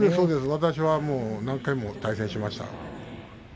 私は何回も対戦しました。